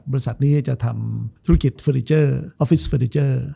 บริษัทนี้จะทำธุรกิจเฟอร์นิเจอร์ออฟฟิศเฟอร์นิเจอร์